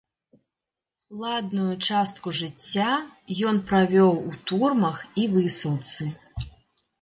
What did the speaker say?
Ладную частку жыцця ён правёў у турмах і высылцы.